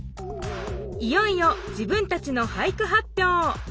いよいよ自分たちの俳句発ぴょう！